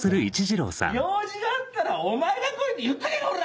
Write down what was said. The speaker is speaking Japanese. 用事があったらお前が来いって言っとけこら。